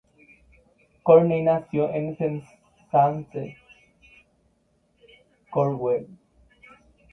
Courtney nació en Penzance, Cornwall.